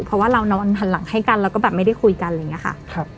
เพราะว่าเรานอนหันหลังให้กันแล้วก็แบบไม่ได้คุยกันอะไรอย่างนี้ค่ะ